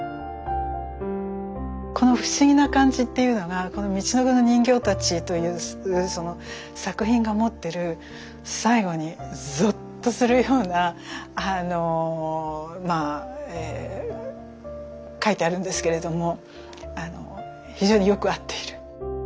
この不思議な感じっていうのがこの「みちのくの人形たち」というその作品が持ってる最後にゾッとするようなあのまあええ書いてあるんですけれども非常によく合っている。